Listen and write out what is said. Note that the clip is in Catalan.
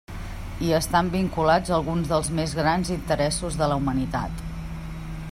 Hi estan vinculats alguns dels més grans interessos de la humanitat.